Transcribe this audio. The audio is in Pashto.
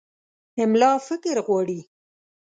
املا فکر غواړي.